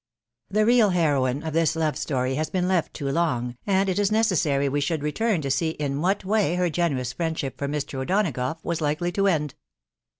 t ' The real heroine of this love story has been left .too long, and it is necessary we should return to see in what way her ge* nerous friendship for Mr. O'Donagough was4 likely to end.